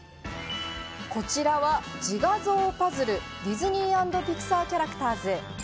こちらはジガゾーパズル、ディズニー＆ピクサーキャラクターズ。